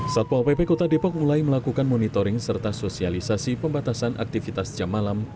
satpol pp kota depok mulai melakukan monitoring serta sosialisasi pembatasan aktivitas jam malam